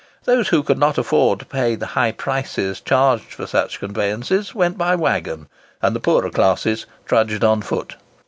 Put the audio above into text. Those who could not afford to pay the high prices charged for such conveyances went by waggon, and the poorer classes trudged on foot.